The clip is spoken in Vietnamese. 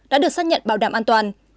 đã được xác nhận bảo đảm an toàn